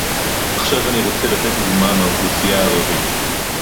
עכשיו אני רוצה לתת דוגמה מהאוכלוסייה הערבית